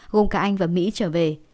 gồm cả anh và mỹ trở về